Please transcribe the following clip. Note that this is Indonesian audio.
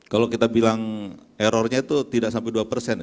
kalau kita bilang errornya itu tidak sampai dua persen